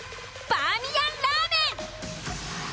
バーミヤンラーメン